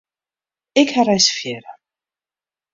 Ik ha reservearre.